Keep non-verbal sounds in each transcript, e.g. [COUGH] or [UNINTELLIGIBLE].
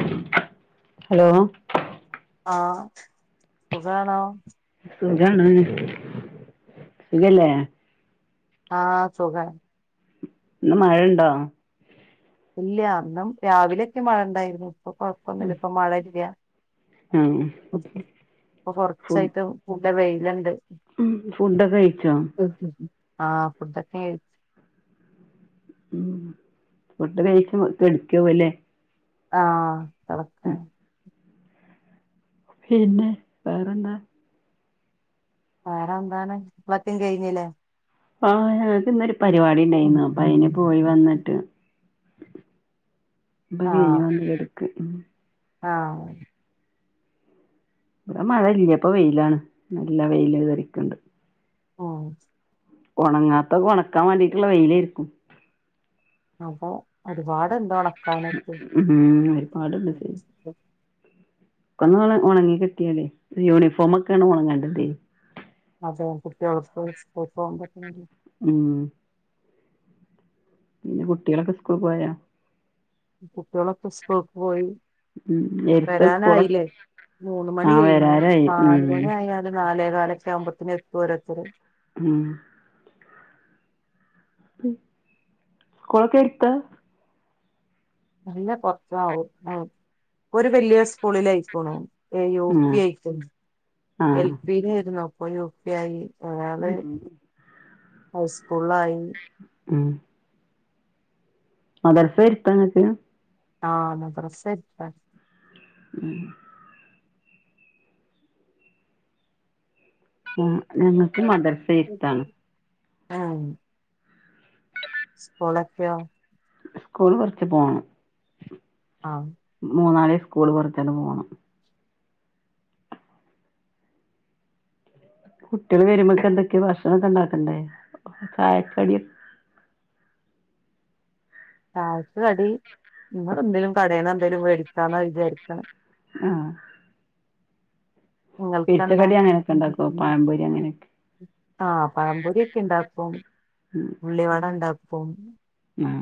[INAUDIBLE] Hello ആഹ് സുഖാണോ സുഖാണ് ഇല്ലലെ ആഹ് സുഖാണ് ഇന്ന് മഴ ഉണ്ടോ ഇല്ല ന്നും രാവിലെയൊക്കെ മഴ ഇണ്ടായിരുന്നു ഇപ്പൊ ഉം കൊഴപ്പൊന്നില്ല ഇപ്പ മഴ ഇല്ല ആഹ് ഇപ്പൊ ഫുഡ് കൊറച്ചായിട്ടും കൂടെ വെയില്ണ്ട് ഉം ഫുഡൊക്കെ കഴിച്ചോ ആഹ്ഫുഡൊക്കെഴച്ച് ഉം ഫുഡ്ഡ് കഴിച്കെട്ക്കാവുലേ ആഹ് എ ളക്ക [UNINTELLIGIBLE] പിന്നെ വേറെന്താ. വേറെ എന്താണ് പത്തിം കഴിഞ്ഞില്ലേ? ആഹ ഞങ്ങക്ക് ഇന്നൊരു പരിപാടി ഉണ്ടായിന്നു അപ്പൊ അതിന് പോയി വന്നിട്ട്. [UNINTELLIGIBLE] വന്ത് എടുക്ക് മ്മ് ആഹ ഇവിടെ മഴ ഇല്ല ഇപ്പൊ വെയിലാണ് നല്ല വെയിൽ കേരിക്ക്ണ്ട്. ഓ ഉണങ്ങാത്ത് ഉണക്കാൻ വേണ്ടിയിട്ടുള്ള വെയിലായിരിക്കും. അപ്പൊ ഒരുപാട്ഉണ്ട് ഉണക്കാൻനിക്ക് ഉം എനിക്ക് ഇസ്കൂ ഒന്ന്ഉണ ഉണങ്ങി കിട്ടിയൽ യൂണിഫോമ്മ് ഒക്കെയാണ് ഉണങ്ങണ്ടേത്. അ കുട്ടികൾക്ക്സ്‌കൂൾക്ക് പോപോത്തിന് [UNINTELLIGIBLE] ഉം. പിന്നെ കുട്ടികളൊക്കെ സ്കൂളിൽ പോയാ? കുട്ടികളൊക്കെ സ്‌കൂൾക്ക് പോയി. ഉം നേരിട്ട സ്കൂൾ. വരാനായില്ലേ മൂന്ന് മണി കഴിഞ്ഞു നാല് മണി ആയാലും നാലേകാലൊക്കെ ആകുമ്പോത്തിന് എത്തും ഓരോരുത്തര്. ഉം പി സ്‌കൂലൊക്കെ എടുത്താ? അല്ല കൊറച്ച് ആവും ആ ഒരു വല്ല്യ സ്കൂളിലയ്ക്ക്ണു. ഏ യു ഉം പി ഐക്ക്ണ് എൽ ആഹ് പി ൽ യെർന്നു അപ്പൊ യു പി ആയി. ഉം ആ. ഹൈസ്കൂൾ ആയി. ഉം. മദ്രസ്സ് എടുത്തായാ നിങ്ങൾക്ക്. ആഹ മദ്രസ്സ് എടുത്താണ്. ഉം. ആ ഞങ്ങൾക്ക് മദ്രസ്സ് എരുത്താണ്. ആവൂ. സ്‌കൂലൊക്കെയോ. സ്കൂൾ കുറച്ച് പോണം ആഹ് മൂന്നാളിമംസ് സ്കൂള് കുറചാട്ട് പോണം. കുട്ടികൾ വരുമ്പോയ്ക്ക് എന്തൊക്കെയ ഭക്ഷണംഒക്കെ ഉണ്ടാക്കണ്ടേ ചായക്കടി. ചായക്ക്കടി ഇവിടെ എന്തെേലും കടേന്ന ന്തെലും മേടിക്കാന്ന വിചാരിക്ക്ണത്. ആഹ നിങ്ങൾക്ക് എന്താ അങ്ങനെയൊക്കെ ഇണ്ടാക്കോ പഴംപൊരി അങ്ങനെയൊക്കെ ആഹ പഴപൊരി ഒക്കെ ഉണ്ടാക്കും ഉള്ളി വട ഉണ്ടാക്കും. ആഹ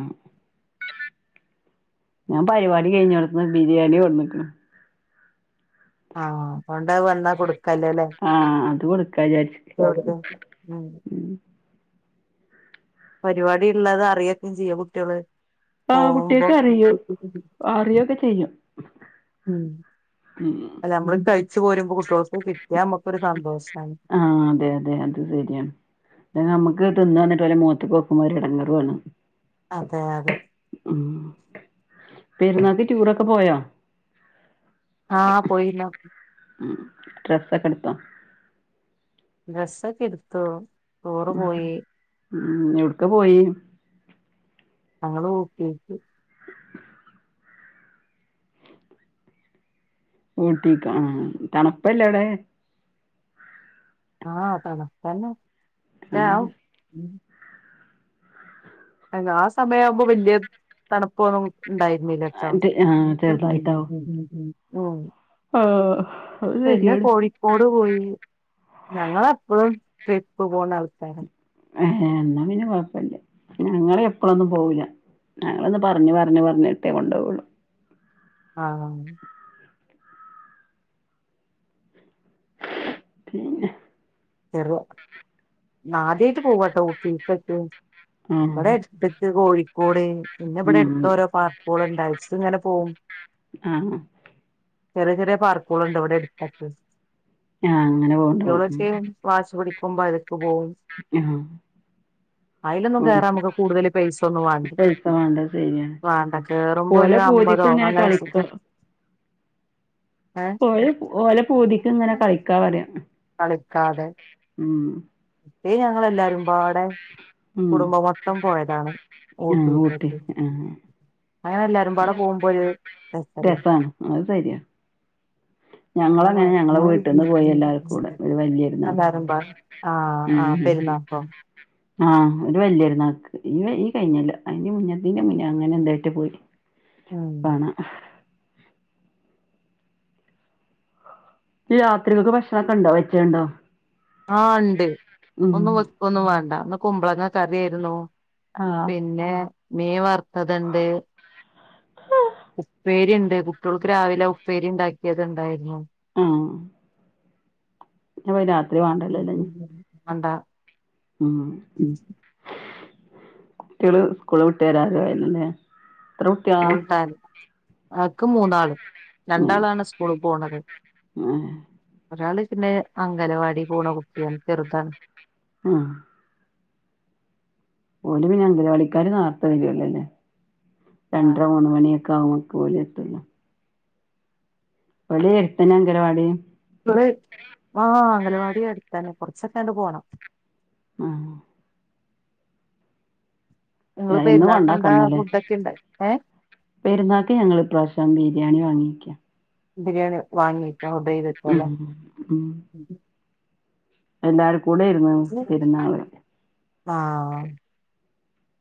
ഞാൻ പരിപാടി കഴിഞ്ഞോട്ത്ത്ന്ന് ബിരിയാണി കൊട്ന്ന്ക്ക്ണ്. ആഹ അതോണ്ട് അത് വന്ന കൊടുക്ക കല്ലല്ലേ ആഹ് അത് കൊടുക്കാ വിചാരിച്ച് [UNINTELLIGIBLE] ഉം പരിപാടി ഉള്ളത് അറിയക്കും ചെയ്യോ കുട്ടിയാൾ. ആ കുട്ടിഴാക്ക് അറിയു അറിയോക്കെ ചെയ്യും. മ്മ് ഉം അല്ല നമ്മള് കഴിച്ച് പോരുമ്പോ കുട്ട്യാക്കും കിട്ടിയാ നമുക്കൊരു സന്തോഷം. ആഹ് അതെ അതെ അത് ശരിയാണ് അ നമക്ക് ക്ക് തിന്നാ ന്നിട്ട് പോലെ മോത്ത്ക്ക് നോക്കുമ്പോരെടങ്ങറാണ്. അതെ അത്. മ്മ് പെരുന്നാക്ക് ടൂറൊക്കെ പോയോ? ആ പോയിന്നു. ഉം ഡ്രസ്സ്‌ഒക്കെ എടുത്തോ? ഡ്രസ്സ്ഓക്കെ എടുത്തു ടൂർ പോയി. മ് ഞങ്ങള് ഓക്കെട്ടു ഊട്ടിക്ക്‌ ആ തണുപ്പല്ല അവിടെ ആഹ് തണുപ്പ് തന്നാ താ ആഹ് അല്ല ആ സമയ ആവുമ്പോ വല്യ തണുപ്പ് മ് ഡൈറ്റ് മില്ലെറ്റസാ ആഹ് മ് ചെറുതായിട്ടാവും മ് മ് മ് ആഹ് അത് പിന്നെ ശരിയാണ് കോഴിക്കോട് പോയിനി ഞങ്ങള് എപ്പഴും ട്രിപ്പ് പോകുന്ന ആൾക്കാരാ ഏഹ് എന്നാ പിന്നെ കൊഴപ്പില്ല ഞങ്ങള് എപ്പഴൊന്നും പോവില്ല ഞങ്ങളൊന്ന് പറഞ്ഞ്പറഞ്ഞ് പറഞ്ഞിട്ടേ കൊണ്ട് പോവൊള്ളു ആഹ് പിന്നെ ചെറുതോ ഇന്നാദ്യായിട്ട് പോവാട്ടോ ഊട്ടിക്ക് ഇവിടെ ആഹ് എസ്തെറ്റ് കോഴിക്കോട് പിന്നെ ഇവിടെ ഉം അടുത്ത് ഓരോ പാർക്കുകള് ഡാൻസ് ഇങ്ങനെ പോവും ആഹ് ചെറിയ ചെറിയ പാർക്കുകളുണ്ട് ഇവിടെ അ ടുത്തൊക്കെ ആഹ് അങ്ങനെ പോവുണ്ടാവും മ് [UNINTELLIGIBLE] ആഹ് അയിലൊന്നും കേറാൻ [UNINTELLIGIBLE] നമുക്ക് കൂടുതൽ പൈസ ഒന്നും വാണ്ട പൈസ വേണ്ട അത് ശെരിയാണ് വേണ്ട കേറുമ്പോ ഒരു പോലെ പൂതിക്ക് അമ്പതോ ഇങ്ങനെ അങ്ങനൊക്കെ കളിക്കും ഏഹ് ഓലെ ഓലെ പൂതിക്ക് ഇങ്ങനെ കളിക്കാം പറയാ കളിക്കാതെ മ് ഏ ഞങ്ങളെല്ലാരും പാടെ ഉം കുടുംബം മൊത്തം പോയതാണ് ആഹ് ഊട്ടി ഊട്ടിക്കോക്കെ ആഹ് അങ്ങനെ എല്ലാരും പാടെ പോകുമ്പോ ഒര് രസല്ലേ രസാണ് അത് ശരിയാ ഞങ്ങളങ്ങനെ ഞങ്ങളെ വീട്ട്ന്ന് പോയി എല്ലാരും കൂടെ ഒരു വല്യര്ന്നാക്ക് [UNINTELLIGIBLE] ആഹ് ആഹ് ഉം പെരുന്നാക്കോ ആഹ് ഒരു വല്യര്ന്നാക്ക് പിന്നെ ഈ കഴിഞ്ഞല്ല അതിന്റെ മുന്നത്തേന്റെ മുന്നേ അങ്ങനെ എന്തായിട്ട് പോയി ഉം പണ രാത്രിക്കെക്ക് ഭക്ഷണംക്കെ ഇണ്ടോ വെച്ചഹ് ഇണ്ടോ? ആഹ് ഇണ്ട് ഒന്നും വെക്കൊന്നും വേണ്ട ഇന്ന് കുമ്പളങ്ങ കറിയായിരുന്നു ആഹ് പിന്നെ മീൻ വറ്ത്തത്ണ്ട് [UNINTELLIGIBLE] ഉപ്പേരി ഇണ്ട് കുട്ടികൾക്ക് രാവിലെ ഉപ്പേരി ഇണ്ടാക്കിയത് ഇണ്ടായിരുന്നു. ഏഹ് പിന്നെപ്പോ രാത്രി വാണ്ടല്ലോ ല്ലെ ഇൻഞ് വാണ്ട ഉം കുട്ടികള് സ്കൂള് വിട്ട് വരാൻ [UNINTELLIGIBLE] കൂട്ടാൻ ഇക്ക് മൂന്നാള് ഏഹ് രണ്ടാളാണ് സ്കൂള് പോണത് ഏഹ് ഒരാള് പിന്നെ അങ്കലവാടി പോണ കുട്ടിയാണ് ചെറുതാ. ആഹ്. ഓല് പിന്നെ അംഗലവാടിക്കാര് നേരത്തെ വരുവല്ലോ അല്ലെ രണ്ടര നിങ്ങള് മൂന്ന് മണിയൊ കാമ പോലെത്തുള്ളു. ഓല് എട്ത്തണ അങ്കണവാടി ഓള് ആഹ് അംഗലവാടി അടുത്തന്നെ കൊറച്ചൊക്കെ അങ്ങട് പോണം ആാ നിങ്ങള് എ എന്നും പെരുന്നാക്ക് എന്താ കൊക്കന്നാല്ലേ ഫുഡൊക്കെ ഉണ്ടായി ഏ പെരുന്നാക്ക് ഞങ്ങള് ഈ പ്രാവിശ്യം ബിരിയാണി വാങ്ങി ബിരിയാണി [UNINTELLIGIBLE] വെക്കുല്ലോ ഉം എല്ലാരു കൂടെ ഇര്ന്നു [UNINTELLIGIBLE] ആ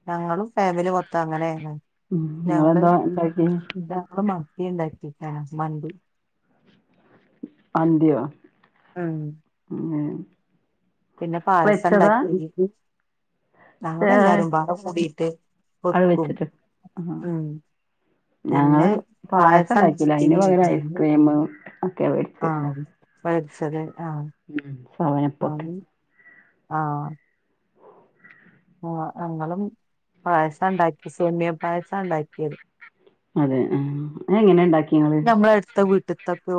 ഞങ്ങളും ഫാമിലി മൊത്തം അങ്ങനേണ്. ഉം ഞങ്ങള് നിങ്ങളെന്താ ഉണ്ടാക്കി [UNINTELLIGIBLE] [UNINTELLIGIBLE] മന്തി [UNINTELLIGIBLE] ഉം ഉം പിന്നെ പായസം വെച്ചതാ ഒണ്ടാക്കി [UNINTELLIGIBLE] ഞങ്ങള് ഏഹ് എല്ലാരും പാടെ [UNINTELLIGIBLE] കൂടിട്ട് അത് വെക്കും വെച്ചിട്ട് ആഹ് ഉം. പിന്നെ ഞങ്ങള് പായസം ഉണ്ടാക്കിയില്ല അതിന് പകരം [UNINTELLIGIBLE] ഐസ്ക്രീം ഒക്കെയാ ആാ വെച്ചാത് ഉം സമയപ്പൊട്ട് ആാ ആ ഞങ്ങളും പായസേ ഒണ്ടാക്കി സോമിയ പായസം ഒണ്ടാക്കിയത് അതെ ആാ എങ്ങനെ ഒണ്ടാക്കി നമ്മളെ അട്ത്താ വീട്ടിത്താക്ക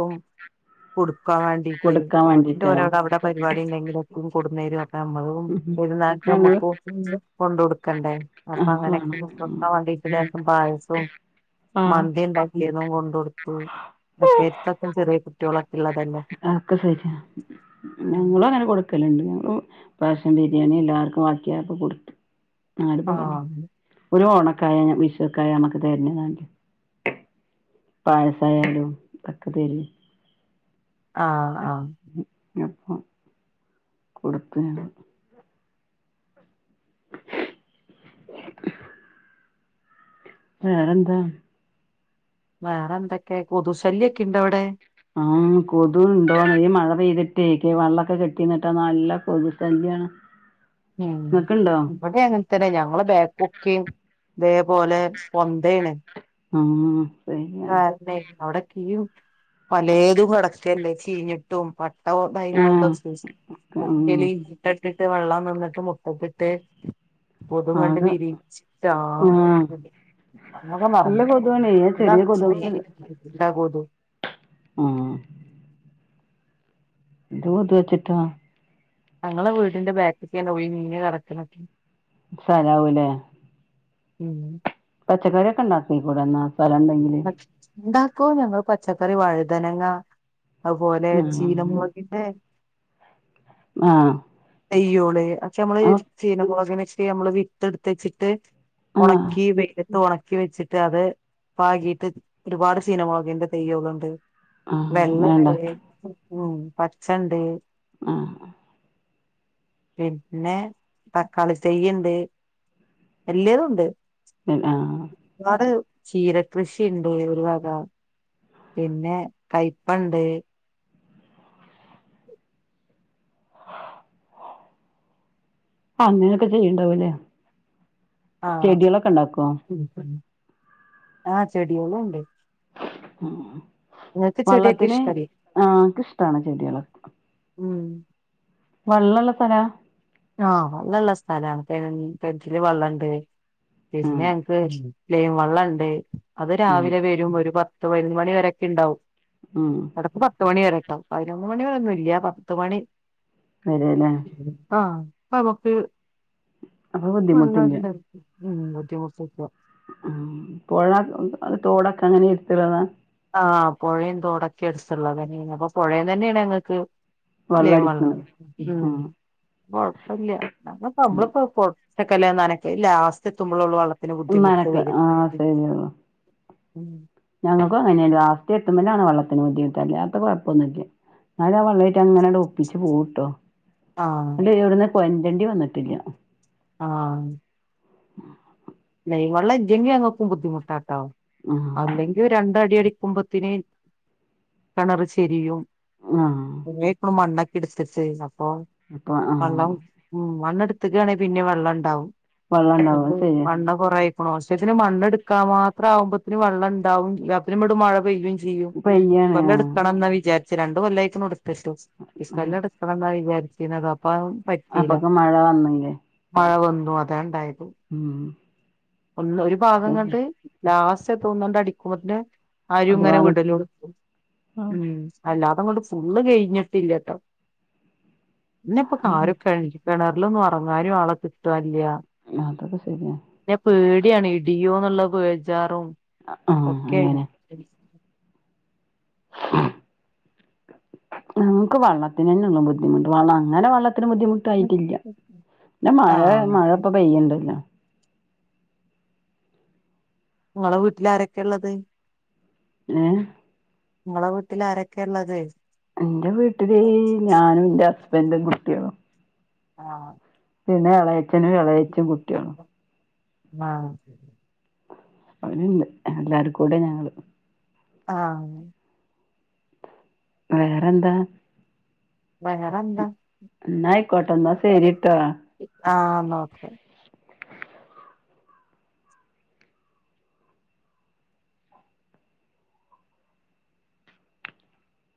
കൊട് ക്കാൻ വേണ്ടീട്ട് കൊടുക്കാൻ ഓരോരോ വേണ്ടിയിട്ടാണോ അവടെ പരിപാടി നമ്മളും ഉം പെരുന്നാള്ക്ക് ഞങ്ങള് നമ്മക്ക് കൊണ്ട് കൊട്ക്കേണ്ടേ അപ്പം അത് അങ്ങനെ വേണം [UNINTELLIGIBLE] ഉം വണ്ടി വീട്ടിലാക്കും പായസോം മന്തി ഒണ്ടാക്കിയാതും കൊണ്ട് കൊട [UNINTELLIGIBLE] ചെറിയ കുട്ടിളൊ [UNINTELLIGIBLE] ഞങ്ങളും അങ്ങനെ കൊട്ക്കാലോണ്ട് [UNINTELLIGIBLE] ൻ ബിരിയാണി എല്ലാവർക്കും ബാക്കിയപ്പ കൊടുത്തു നാട് ആഹ് [UNINTELLIGIBLE] ക്കായ വിശുക്കായ നമ്മക്ക് തെരഞ്ഞതാണ് പായസയാലും അതൊക്കെ തേരം ആാ ആാ അപ്പം കൊട് [UNINTELLIGIBLE] [INAUDIBLE] വേറെ എന്താ വേറെ എന്തൊക്കെ കൊതു ആ കൊതുണ്ടോ ഈ മഴ പെയ്തിട്ടേ വെള്ളൊക്കെ കെട്ടിന്നിട്ടാ നല്ല കൊത് ശാല്ല്യാണ് [UNINTELLIGIBLE] ഉം ഇവടെ അങ്ങനെ തന്നെ ഞങ്ങള് ബാ ക്ക്യം ഇതേപോലെ പൊ ആഹ് ശരിയാണ് [UNINTELLIGIBLE] അവടെ [UNINTELLIGIBLE] പലേതു കെടക്കാല്ലേ ചീഞ്ഞിട്ടും പ ആഹ് ഉം ഇട്ടിട്ടിട്ട് വെള്ളം നിന്നിട്ട് മുട്ടിട്ട് [UNINTELLIGIBLE] കണ്ട് ആകെ വിരിയിച്ചിട്ട് ആഹ് നല്ല കൊതുവാണേ ചെറിയ [UNINTELLIGIBLE] [UNINTELLIGIBLE] ആാ [UNINTELLIGIBLE] [UNINTELLIGIBLE] നടക്കാണാത് സലാവൂല്ലേ ഉം പച്ചക്കറിയൊക്കെ ണ്ടാക്കി കൂടെന്നാ [UNINTELLIGIBLE] ഞങ്ങള് പച്ചക്കറി വഴുതനങ്ങ അത് പോലെ ചീന മൊളക്കിന്റെ മാഹ്. തെയ്യോള് ഒക്കെ നമ്മള് ചീനമൊളക് വെച്ചിട്ട് നമ്മള് വിട്ട എടുത്ത് വെച്ചിട്ട് ആഹ് ഒണക്കി വെയിലത്ത് ഒണ ക്കി വെച്ചിട്ട് അത് പാകിട്ട് ഒരുപാട് ചീന മുളകിന്റെ തെയ്യോള്ണ്ട്. വെള്ളണ്ട് ആഹ് ഉ പച്ചണ്ട്. ഉം. പിന്നെ തക്കാളി തൈയിണ്ട് എല്ലതും ഉണ്ട്. പിന്ന ചീര കൃഷിയുണ്ട് ഒരു വഗ പിന്നെ കയ്പ്പണ്ട്. അങ്ങനൊക്കെ ചെയ്യണ്ടാവൂലേ ആഹ് ചെടിയളൊക്കെ ഇണ്ടാക്കുവോ? ആഹ് ചെടിയോളും ഉണ്ട്. ഉം ചെടിയൊക്കെ വള്ളത്തിന് ഇഷ്ടല്ലേ ഞങ്ങക്ക് ഇഷ്ടാണ് ചെടികളക്ക ഉം. വെള്ള ഉള്ള സ്ഥല? ആഹ് വെള്ള ഉള്ള സ്ഥലമാണ് പെ തെനറ്റില് വെള്ളണ്ട് പിന്നെ ഉം എനക്ക് ലൈൻ വെള്ളം ഉണ്ട് അത് ഉം രാവിലെ വരും ഒരു പത്ത് പതിനോന്ന് മണി വരൊക്കെ ഉണ്ടാവും. ഉം എടക്ക് പത്ത് മണി വരെ കേട്ടോ പതിനൊന്ന് മണി വരെൊന്നും ഇല്ല്യ പത്ത് മണി അതേലെ. ആഹ് അ നമുക്ക് അപ്പൊ വളള ബുദ്ധിമുട്ടില്ല ഇണ്ടറിം ഉം ബുദ്ധിമുട്ടില്ല ഉം പൊഴ തോടൊക്കെ അങ്ങനെ ഇട്ത്ത്ള്ളതാ ആഹ് പുഴയും തോടൊക്കെ അടുത്തുള്ളതന അപ്പൊ പുഴയും തന്നെയാണ് ങ്ങൾക്ക് ലൈൻ വളളാ വെള്ളടിക്കണത് ആഹ് കൊഴപ്പില്ല ഉം നമ്മളപ്പോ പക്കല്ല നാനക്കെ ലാസ്റ്റ് എത്തുമ്പോള വള്ളത്തിന് ബുദ്ധിമുട്ട ഉമ്മാനൊക്കെ വര ആ ഉം ഞങ്ങൾക്ക് അങ്ങനെൊ ഒരു അവസ്ഥയ എത്തുമ്പോ ആണ് വെള്ളത്തിന് ബുദ്ധിമട്ടല്ല അ കുഴപ്പൊന്നുമില്ല ന്നാലും ആ വെള്ളായിട്ട് അങ്ങനെ അട് ഒപ്പിച്ചു പോവുട്ടോ ആഹ പൊന്ന്തണ്ടി വന്നിട്ടില്ല ആഹ ആ വ ഇെങ്കി അങ്ങപ്പും ബുദ്ധിമുട്ട കേട്ടോ ആ അല്ലെങ്കിൽ രണ്ട അടിടി ക്കുമ്പത്തിന് കിണർ ചെരിയും ആ മണ്ണ എടുത്തിച്ച് അപ്പൊ അപ്പൊ ആ വെള്ളം ഉ മണ്ണ എടുത്തക്കയാണെങ്കിൽ പിന്നെ വെള്ളം ഉണ്ടാവും വള്ളണ്ടാവ ഇത് ശരി മണ്ണ് കുറായി ആവശത്തിന് മണ്ണെടുക്കാ മാത്ര ആകുമ്പോത്തത്തിന് വെള്ള ഉണ്ടുംല്ലാത്തിനും ഇടും മഴ പെയ്യ പെയ്യാണ് കൊല്ലം ആ എടുക്കണം വിചാരിച്ച് രണ്ടണ്ട് കൊല്ല ആക്ക എടു ഈ ആ സ്െല്ല എടുക്കണന്നായി വിത്തി അപ്പും പറ്റല്ല അപ്പൊക്കെ മഴ വന്നില്ലേ മഴ വന്നു അത ഉണ്ടായി ഉം ഒന്ന് ഒരു ഭാഗം ശരി കണ്ട് ലാസ്റ്റ് തോന്നണ്ട് അടിക്കുമ്പോതിന് ആരും ഒരു ഇങ്ങനെ ഭാഗം വിടലു അല്ല അതങ്ങണ്ട് ഫുള്ള് കഴിഞ്ഞിട്ടില്ല കേട്ടോ ഇന്നെപ്പൊ കാരൊക്കെ ആല്ല കിണറിലൊന്നും ഉറങ്ങാനും ആളെ കിട്ടല്ല അതൊക്കെ ശരിയ ാൻ പേടിയാണ് ഇടിയോ എന്നുള്ള ബേജാറും ആഹ് ഒക്കെയാണ് അങ്ങനെ നമുക്ക് വള്ളത്തിന് തന്നുള്ള ബുദ്ധിമുട്ട് വള്ള അങ്ങനെ വള്ളത്തി അന് ബുദ്ധിമുട്ടായിട്ടില്ല പിന്ന മഴ ആഹ് മഴ ഇപ്പോ പെയ്യണ്ടല്ലോ നിങ്ങളെ വീട്ടില ആരൊക്കെ ഉള്ളത് ഉം നിങ്ങളെ വീട്ടിൽ ആരൊക്കെയ ഉള്ളത് എന്റെ വീട്ടില് ഞാനും എന്റെ ഹസ്ബൻറും കുട്ടികളും ആഹ പിന്നെ ഇളയച്ഛനും ഇളയച്ചും കുട്ടികളും ആഹ ശരി അവരുണ്ട് എല്ലാർക്കും കൂടെ ഞങ്ങള് ആഹ വേറെന്താ വേറെന്താ ഇന്നാ ആയിക്കോട്ടെ, ശരിട്ടോ ആഹ ഒക്കെ